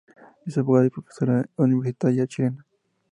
Es abogada y profesora universitaria chilena.